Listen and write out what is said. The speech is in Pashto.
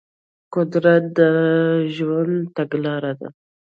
قدرت د ژوند تګلاره ده.